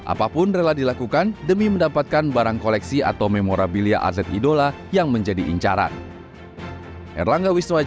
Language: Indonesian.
apapun rela dilakukan demi mendapatkan barang koleksi atau memorabilia atlet idola yang menjadi incaran